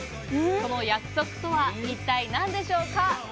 その約束とは一体、何でしょうか？